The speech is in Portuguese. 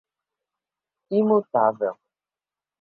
imutável